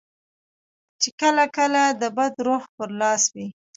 چې کله کله د بد روح پر لاس وي.